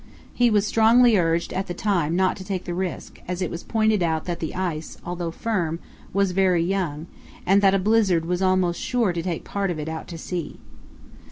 "He was strongly urged at the time not to take the risk, as it was pointed out that the ice, although firm, was very young, and that a blizzard was almost sure to take part of it out to sea."